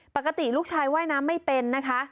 ปกติลูกชายว่ายน้ำไม่เป็นนะคะ